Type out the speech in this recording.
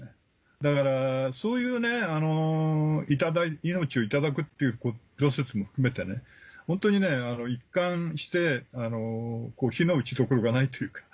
だからそういう命をいただくっていうプロセスも含めてホントに一貫して非の打ち所がないというか。